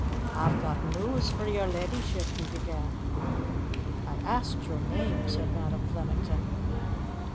"A've got news for yer leddyship," he began. "I asked your name," said Madam Flemington.